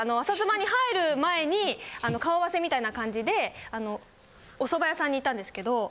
『朝ズバッ！』に入る前に顔合わせみたいな感じでお蕎麦屋さんに行ったんですけど。